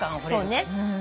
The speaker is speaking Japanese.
そうね。